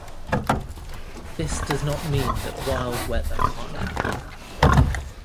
This does not mean that wild weather can't happen.